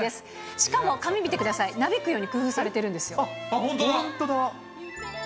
しかも髪見てください、なびくように工夫されて本当だ。